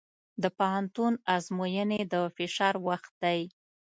د پوهنتون ازموینې د فشار وخت دی.